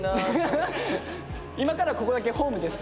今からここだけホームです。